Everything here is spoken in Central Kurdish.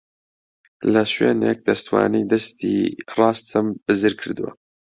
لە شوێنێک دەستوانەی دەستی ڕاستم بزر کردووە.